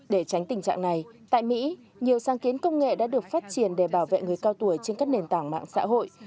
để tránh tình trạng này tại mỹ nhiều sáng kiến công nghệ đã được phát triển để bảo vệ người cao tuổi trên các nền tảng mạng xã hội